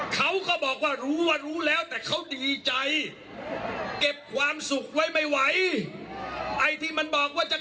เขาก็บอกว่ารู้ว่ารู้แล้วแต่เขาดีใจ